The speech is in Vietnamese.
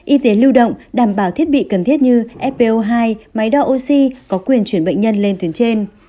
y tế lưu động đảm bảo thiết bị cần thiết như fpo hai máy đo oxy có quyền chuyển bệnh nhân lên tuyến trên